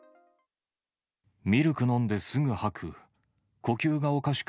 ミルク飲んですぐ吐く。